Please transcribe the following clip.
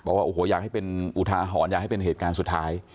บอกว่าโอ้โหอยากให้เป็นอุทาหรณ์อยากให้เป็นเหตุการณ์สุดท้าย